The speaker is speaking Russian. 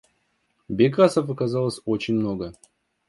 Бекасов оказалось очень много.